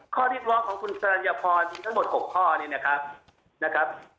ข้อเรียกร้องของคุณสรรยพรมีทั้งหมด๖ข้อนี้นะครับ